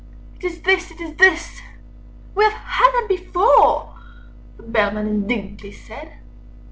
"It is this, it is this—" "We have had that before!" Â Â Â Â The Bellman indignantly said.